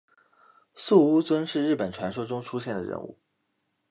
素呜尊是日本传说中出现的人物。